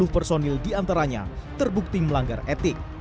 dua puluh personil diantaranya terbukti melanggar etik